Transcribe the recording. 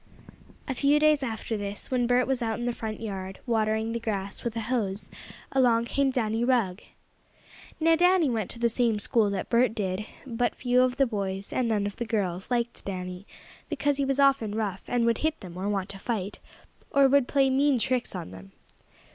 A few days after this, when Bert was out in the front yard, watering the grass with a hose, along came Danny Rugg. Now Danny went to the same school that Bert did, but few of the boys and none of the girls, liked Danny, because he was often rough, and would hit them or want to fight, or would play mean tricks on them.